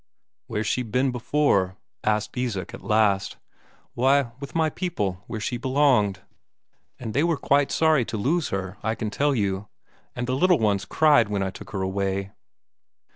"Where's she been before?" asked Isak at last. "Why, with my people, where she belonged. And they were quite sorry to lose her, I can tell you; and the little ones cried when I took her away."